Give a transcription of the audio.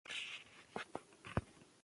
دا هميشه خندانه وي